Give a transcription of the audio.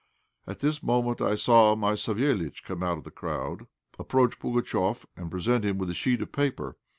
At this moment I saw my Savéliitch come out of the crowd, approach Pugatchéf, and present him with a sheet of paper.